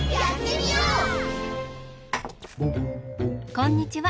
こんにちは。